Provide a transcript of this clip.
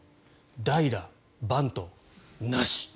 代打、バント、なし。